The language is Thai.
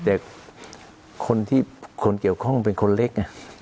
แต่คนที่คนเกี่ยวข้องเป็นคนเล็ก